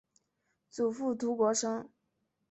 祖父涂国升。